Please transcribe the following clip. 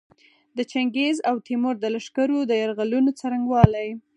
د چنګیز او تیمور د لښکرو د یرغلونو څرنګوالي.